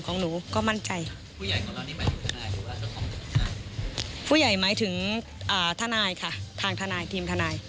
ของหนูก็มั่นใจผู้ใหญ่ของเราผู้ใหญ่ไหมถึงทานายค่ะทางทานายทีมทานาย